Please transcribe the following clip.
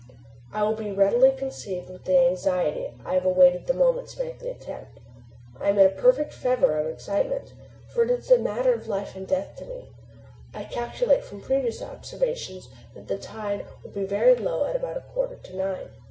It will be readily conceived with what anxiety I have awaited the moment to make the attempt: I am in a perfect fever of excitement, for it is a matter of life or death to me. I calculate from previous observations that the tide will be very low at about a quarter to nine.